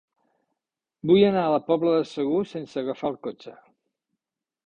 Vull anar a la Pobla de Segur sense agafar el cotxe.